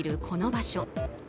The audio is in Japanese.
この場所。